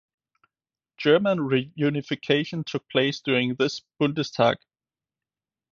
German reunification took place during this Bundestag.